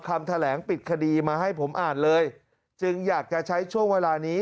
คำแถลงปิดคดีมาให้ผมอ่านเลยจึงอยากจะใช้ช่วงเวลานี้